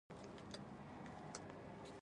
هر څه یې ورته وویل.